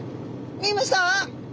見えました？